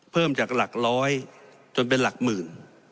เพิ่มจากหลักร้อยจนเป็นหลักหมื่น